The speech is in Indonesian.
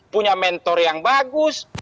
punya mentor yang bagus